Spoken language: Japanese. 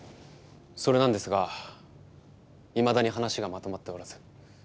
それなんですがいまだに話がまとまっておらず。